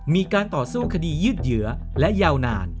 มีการต่อสู้คดียืดเหยื่อและยาวนาน